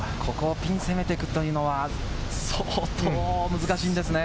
ピンを攻めていくというのは相当、難しいんですね。